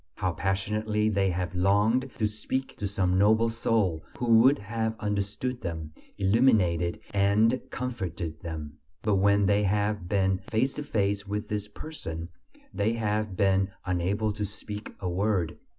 How passionately they have longed to speak to some noble soul who would have understood them, illuminated and comforted them! But when they have been face to face with this person, they have been unable to speak a word.